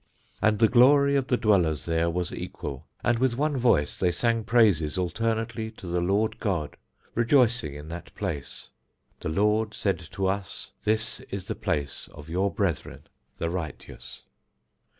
And the glory of the dwellers there was equal, and with one voice they sang praises alternately to the Lord God, rejoicing in that place. The Lord said to us, This is the place of your brethren the righteous.